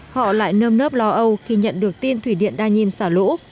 họ lại nơm nớp lo âu khi nhận được tin thủy điện đa nhiêm xả lũ